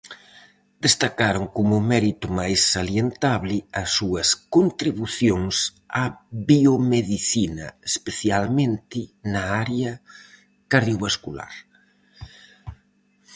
Destacaron como mérito máis salientable as súas contribucións á biomedicina, especialmente na área cardiovascular.